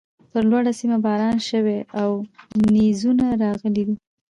پر لوړۀ سيمه باران شوی او نيزونه راغلي دي